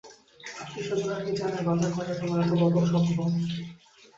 আত্মীয়স্বজনেরা কি জানে, কথায় কথায় তোমার এত বদল সম্ভব।